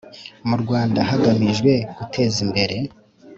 Mu rwanda hagamijwe guteza imbere